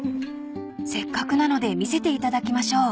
［せっかくなので見せていただきましょう］